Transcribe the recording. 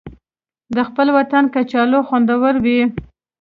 د خپل وطن کچالو خوندور وي